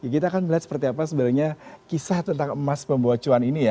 kita akan melihat seperti apa sebenarnya kisah tentang emas pembawa cuan ini ya